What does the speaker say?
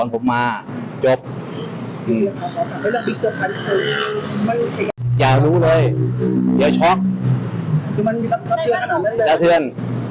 กระเทือน